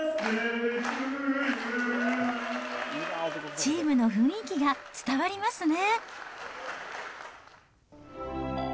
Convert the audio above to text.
チームの雰囲気が伝わりますね。